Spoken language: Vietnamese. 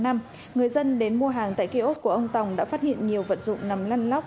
người dân đến mua hàng tại kia út của ông tòng đã phát hiện nhiều vật dụng nằm lăn lóc